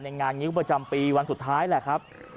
งานงิ้วประจำปีวันสุดท้ายแหละครับ